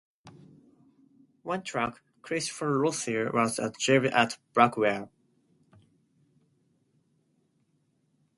One track, "Christopher Lucifer," was a jibe at Blackwell.